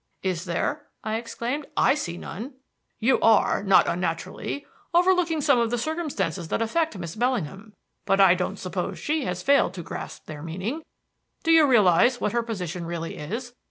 "Is there?" I exclaimed. "I see none." "You are, not unnaturally, overlooking some of the circumstances that affect Miss Bellingham; but I don't suppose she has failed to grasp their meaning. Do you realize what her position really is?